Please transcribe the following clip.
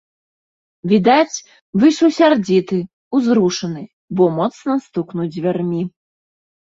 Відаць, выйшаў сярдзіты, узрушаны, бо моцна стукнуў дзвярмі.